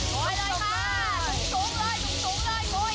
กรอยเลยค่ะ